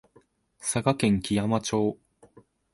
佐賀県基山町